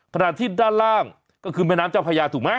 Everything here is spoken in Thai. ขณะที่ด้านล่างก็คือแม่น้ำเจ้าพญาถูกไหม